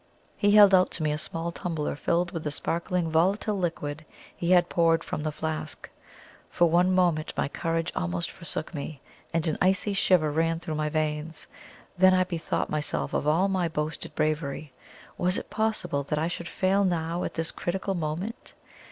He held out to me a small tumbler filled with the sparkling volatile liquid he had poured from the flask. For one moment my courage almost forsook me, and an icy shiver ran through my veins. Then I bethought myself of all my boasted bravery; was it possible that I should fail now at this critical moment?